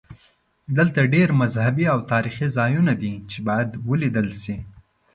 دلته ډېر مذهبي او تاریخي ځایونه دي چې باید ولیدل شي.